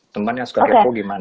teman yang suka kepo gimana